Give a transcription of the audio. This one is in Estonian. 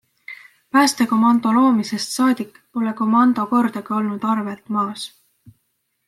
Päästekomando loomisest saadik pole komando kordagi olnud arvelt maas.